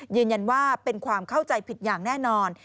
ยืนยันว่าเป็นความเข้าใจผิดอย่างแน่นอน